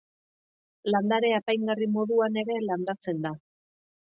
Landare apaingarri moduan ere landatzen da.